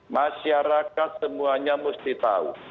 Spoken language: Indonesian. masyarakat semuanya mesti tahu